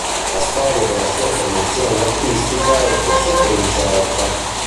La storia della sua formazione artistica è pressoché incerta.